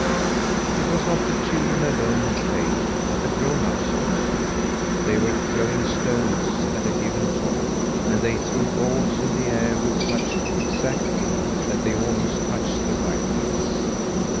It was not the children alone who played, but the grown ups also. They were throwing stones at a given point, and they threw balls in the air with such exact aim that they almost touched the wild geese.